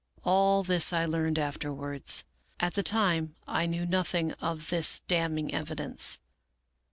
All this I learned afterwards. At the time I knew nothing of this damning evidence.